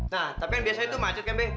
nah tapi yang biasa itu macet kan be